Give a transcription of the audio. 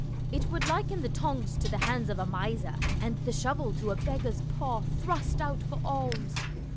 It would liken the tongs to the hands of a miser, and the shovel to a beggar's paw thrust out for alms.